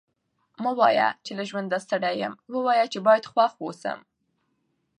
مه وايه! چي له ژونده ستړی یم؛ ووايه چي باید خوښ واوسم.